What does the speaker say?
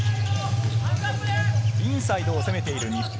インサイドを攻めている日本。